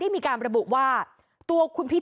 ทีนี้จากรายทื่อของคณะรัฐมนตรี